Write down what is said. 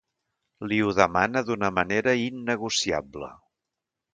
Li ho demana d'una manera innegociable.